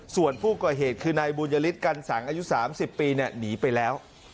ส่วนผู้ก่อเหตุคือนายบุญยฤทธิกันสังอายุ๓๐ปีหนีไปแล้ว